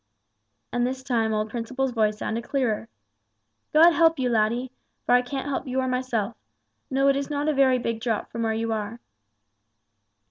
And this time old Principle's voice sounded clearer: "God help you, laddie! For I can't help you or myself. No it is not a very big drop from where you are."